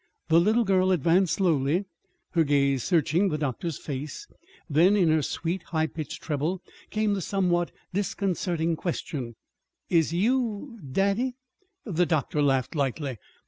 The little girl advanced slowly, her gaze searching the doctor's face. Then, in her sweet, high pitched treble, came the somewhat disconcerting question: "Is you daddy?" The doctor laughed lightly.